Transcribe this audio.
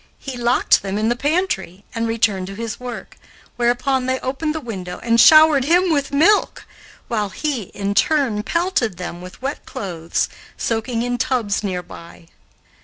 He locked them in the pantry and returned to his work, whereupon they opened the window and showered him with milk, while he, in turn, pelted them with wet clothes, soaking in tubs near by.